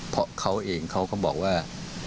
เพราะเขาเองเขาก็บอกว่า